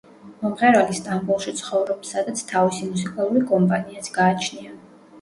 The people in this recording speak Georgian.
მომღერალი სტამბოლში ცხოვრობს, სადაც თავისი მუსიკალური კომპანიაც გააჩნია.